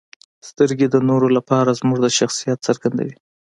• سترګې د نورو لپاره زموږ د شخصیت څرګندوي.